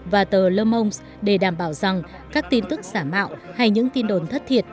và tờ le monde để đảm bảo rằng các tin thức giả mạo hay những tin đồn thất thiệt